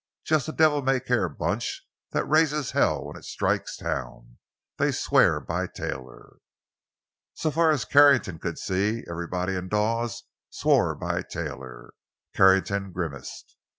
Just a devil may care bunch that raises hell when it strikes town. They swear by Taylor." So far as Carrington could see, everybody in Dawes swore by Taylor. Carrington grimaced.